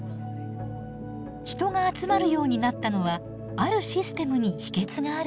人が集まるようになったのはあるシステムに秘けつがあるそうです。